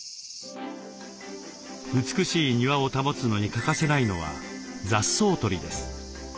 美しい庭を保つのに欠かせないのは雑草取りです。